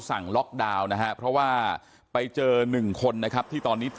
แต่เข้าไปจับว่าไปเจอการโปรดยามภูมิเหลี่ยง